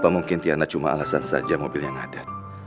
apa mungkin tiana cuma alasan saja mobil yang adat